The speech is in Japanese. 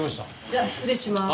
じゃあ失礼します。